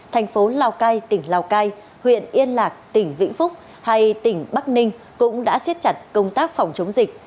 thành phố lào cai tỉnh lào cai huyện yên lạc tỉnh vĩnh phúc hay tỉnh bắc ninh cũng đã siết chặt công tác phòng chống dịch